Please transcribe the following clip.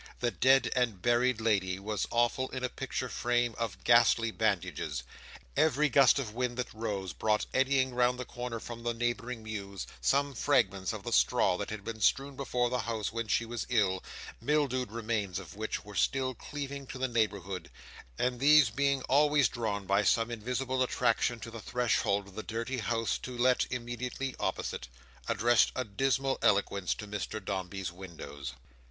The dead and buried lady was awful in a picture frame of ghastly bandages. Every gust of wind that rose, brought eddying round the corner from the neighbouring mews, some fragments of the straw that had been strewn before the house when she was ill, mildewed remains of which were still cleaving to the neighbourhood: and these, being always drawn by some invisible attraction to the threshold of the dirty house to let immediately opposite, addressed a dismal eloquence to Mr Dombey's windows.